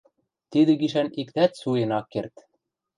тидӹ гишӓн иктӓт суен ак керд.